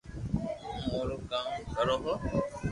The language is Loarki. ھون اورو ڪآدو ڪرو ھون